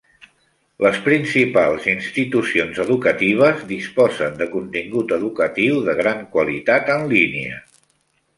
Les principals institucions educatives disposen de contingut educatiu de gran qualitat en línia.